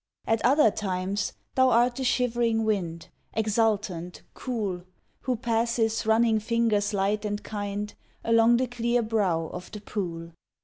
At other times thou art the shivering wind Exultant, cool, Who passes, running fingers light and kind Along the clear brow of the pool.